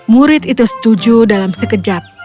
murid itu setuju dalam sekejap